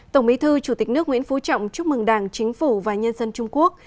tổng bí thư chủ tịch nước nguyễn phú trọng chúc mừng đảng chính phủ và nhân dân trung quốc